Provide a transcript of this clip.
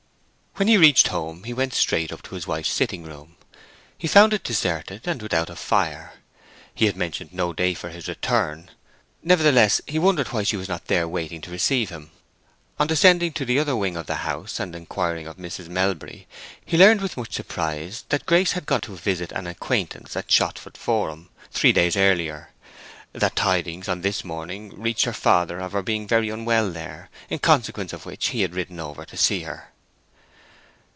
When he reached home he went straight up to his wife's sitting room. He found it deserted, and without a fire. He had mentioned no day for his return; nevertheless, he wondered why she was not there waiting to receive him. On descending to the other wing of the house and inquiring of Mrs. Melbury, he learned with much surprise that Grace had gone on a visit to an acquaintance at Shottsford Forum three days earlier; that tidings had on this morning reached her father of her being very unwell there, in consequence of which he had ridden over to see her.